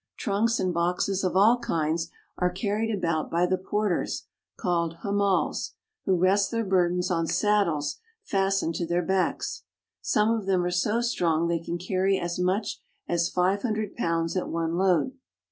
Trunks and boxes of all kinds are carried about by the porters, called hamals (ha mals'), who rest their bur ly dens on saddles fastened to their backs. Some of them are so strong they can carry as much as five hundred pounds at one load.